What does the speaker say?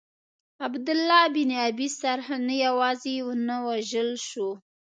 عبدالله بن ابی سرح نه یوازي ونه وژل سو.